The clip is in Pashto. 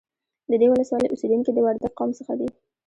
د دې ولسوالۍ اوسیدونکي د وردگ قوم څخه دي